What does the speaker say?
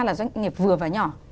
là doanh nghiệp vừa và nhỏ